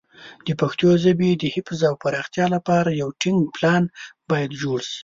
د پښتو ژبې د حفظ او پراختیا لپاره یو ټینګ پلان باید جوړ شي.